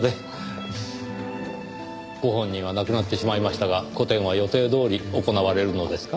ご本人は亡くなってしまいましたが個展は予定どおり行われるのですか？